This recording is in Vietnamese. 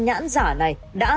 nho nó dài lắm